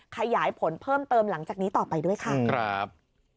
ขยายผลเพิ่มเติมหลังจากนี้ต่อไปด้วยค่ะครับ